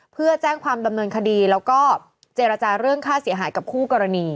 เพื่อแจ้งความดำเนินคดีแล้วก็เจรจาเรื่องค่าเสียหายกับคู่กรณี